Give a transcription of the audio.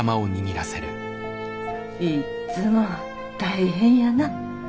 いっつも大変やな。